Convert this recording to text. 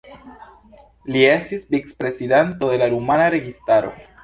Li estis vicprezidanto de la rumana registaro.